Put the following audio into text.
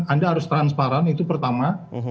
anda harus transparan itu pertama